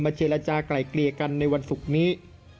เจรจากลายเกลี่ยกันในวันศุกร์นี้